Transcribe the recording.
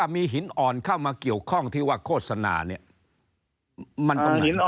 มีหินอ่อนเข้ามาเกี่ยวข้องที่ว่าโฆษณาเนี่ย